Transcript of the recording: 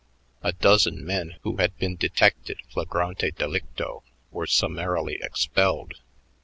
A dozen men who had been detected flagrante delicto were summarily expelled.